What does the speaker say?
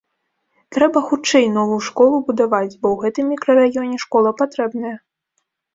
Трэба хутчэй новую школу будаваць, бо ў гэтым мікрараёне школа патрэбная.